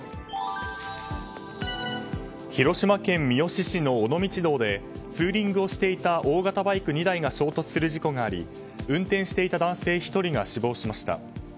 広島県三次市の尾道道でツーリングをしていた大型バイク２台が衝突する事故があり、運転していた男性１人が死亡しました。